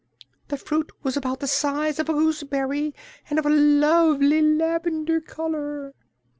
The fruit was about the size of a gooseberry and of a lovely lavender color.